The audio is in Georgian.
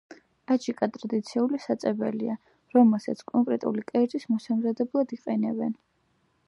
აჯიკა ტრადიციული საწებელია, რომელსაც კონკრენტული კერძის მოსამზადებლად იყენებენ.